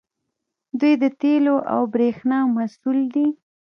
دوی د تیلو او بریښنا مسوول دي.